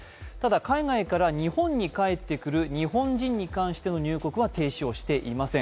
海外から日本に帰ってくる日本人に関しての入国は停止をしていません。